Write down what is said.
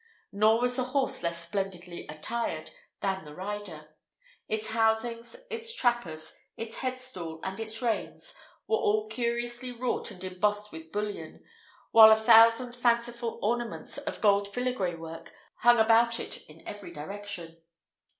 Nor was the horse less splendidly attired than the rider. Its housings, its trappers, its headstall, and its reins, were all curiously wrought and embossed with bullion, while a thousand fanciful ornaments of gold filigree work hung about it in every direction.